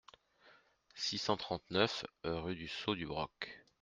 six cent trente-neuf rue du Saut du Broc